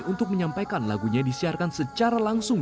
untuk menyampaikan lagunya disiarkan secara langsung